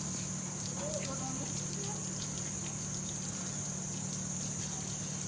กลับมาที่สุดท้ายสุดท้ายสุดท้าย